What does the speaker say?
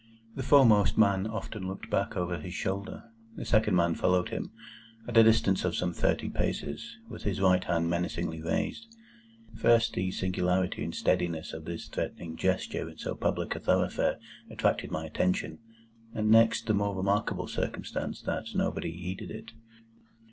The foremost man often looked back over his shoulder. The second man followed him, at a distance of some thirty paces, with his right hand menacingly raised. First, the singularity and steadiness of this threatening gesture in so public a thoroughfare attracted my attention; and next, the more remarkable circumstance that nobody heeded it.